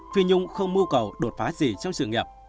phi nhung không mưu cầu đột phá gì trong sự nghiệp